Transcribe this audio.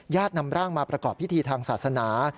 นำร่างมาประกอบพิธีทางศาสนา